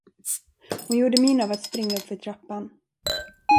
Hon gjorde min av att springa uppför trappan.